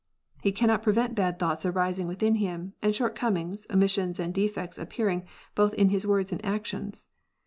He cannot prevent bad thoughts arising within him, and short comings, omissions, and defects appearing both in his words and actions.